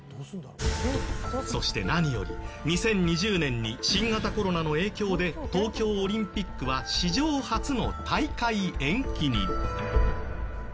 そして何より２０２０年に新型コロナの影響で東京オリンピックは史上初の大会延期に。